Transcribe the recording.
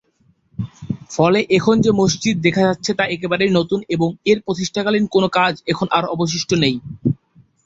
ফলে এখন যে মসজিদ দেখা যাচ্ছে তা একেবারেই নতুন এবং এর প্রতিষ্ঠাকালীন কোন কাজ এখন আর অবশিষ্ট নেই।